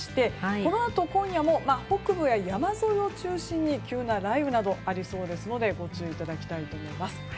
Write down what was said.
このあと、今夜も北部や山沿いを中心に急な雷雨などありそうですのでご注意いただきたいと思います。